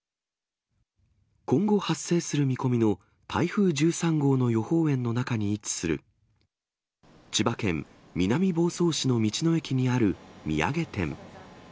今後、発生する見込みの台風１３号の予報円の中に位置する、千葉県南房総市の道の駅にある土産店。